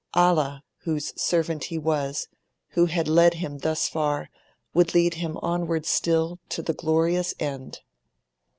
Allah, whose servant he was, who had led him thus far, would lead him onward still, to the glorious end.